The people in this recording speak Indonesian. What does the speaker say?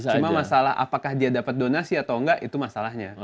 cuma masalah apakah dia dapat donasi atau enggak itu masalahnya